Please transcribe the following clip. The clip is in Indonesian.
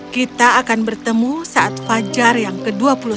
kita akan bertemu saat fajar yang ke dua puluh satu